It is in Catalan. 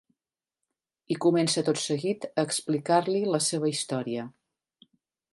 I comença tot seguit a explicar-li la seva història.